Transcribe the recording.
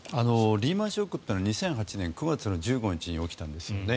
リーマン・ショックっていうのは２００８年９月１５日に起きたんですよね。